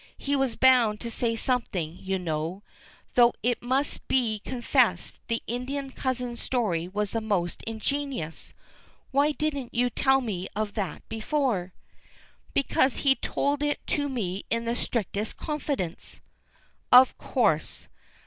"He was bound to say something, you know. Though it must be confessed the Indian cousin story was the more ingenious. Why didn't you tell me of that before?" "Because he told it to me in the strictest confidence." "Of course.